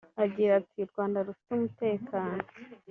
Agira ati “U Rwanda rufite umutekano